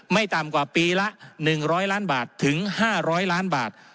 ต่ำกว่าปีละ๑๐๐ล้านบาทถึง๕๐๐ล้านบาท